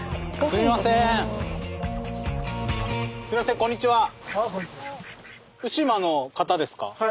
すいませんこんにちは。